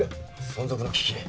存続の危機？